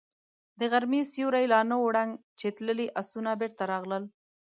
د غرمې سيوری لا نه و ړنګ چې تللي آسونه بېرته راغلل.